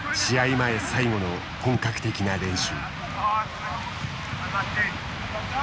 前最後の本格的な練習。